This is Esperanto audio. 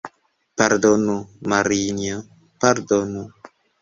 Pardonu, Marinjo, pardonu!